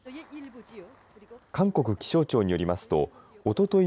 韓国気象庁によりますとおととい